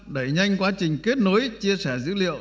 đẩy nhanh quá trình kết nối chia sẻ dữ liệu